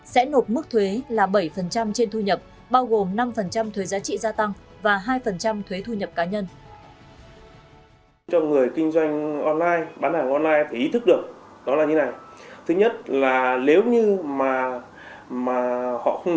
sẽ nộp mức thuế là bảy trên thu nhập bao gồm năm thuế giá trị gia tăng và hai thuế thu nhập cá nhân